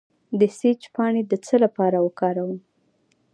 د سیج پاڼې د څه لپاره وکاروم؟